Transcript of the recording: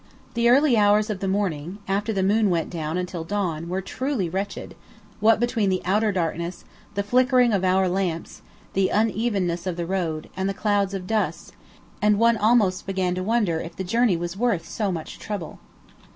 The early hours of the morning, after the moon went down until dawn, were truly wretched, what between the outer darkness, the flickering of our lamps, the unevenness of the road, and the clouds of dust, and one almost began to wonder if the journey was worth so much trouble.